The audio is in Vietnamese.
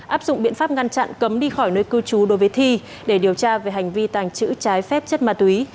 áp dụng biện pháp ngăn chặn cấm đi khỏi nơi cư trú đối với thi để điều tra về hành vi tàng trữ trái phép chất ma túy